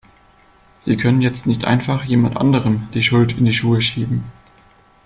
Sie können jetzt nicht einfach jemand anderem die Schuld in die Schuhe schieben!